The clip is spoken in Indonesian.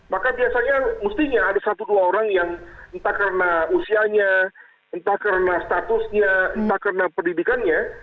maka biasanya mestinya ada satu dua orang yang entah karena usianya entah karena statusnya entah karena pendidikannya